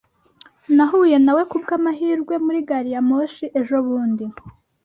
Nahuye nawe kubwamahirwe muri gari ya moshi ejobundi.